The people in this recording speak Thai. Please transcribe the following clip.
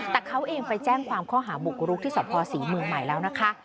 แต่เขาเองไปแจ้งความข้อหาบุกรุกที่สภศรีเมืองใหม่แล้วนะคะ